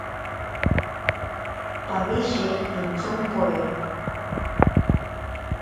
Pawishe intsompoe.